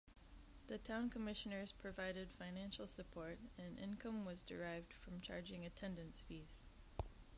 The Town Commissioners provided financial support, and income was derived from charging attendance fees.